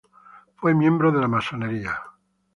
Fue miembro de la masonería.